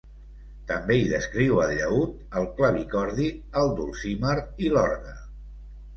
També hi descriu el llaüt, el clavicordi, el dulcimer, i l'orgue.